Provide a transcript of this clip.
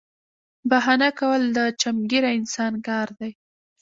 بهانه کول د چمګیره انسان کار دی